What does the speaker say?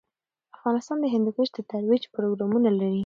افغانستان د هندوکش د ترویج پروګرامونه لري.